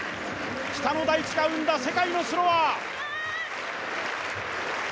北の大地が産んだ、世界のスローワー。